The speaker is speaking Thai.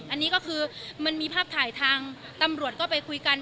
อันนี้ก็คือมันมีภาพถ่ายทางตำรวจก็ไปคุยกัน